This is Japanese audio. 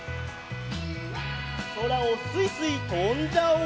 そらをすいすいとんじゃおう！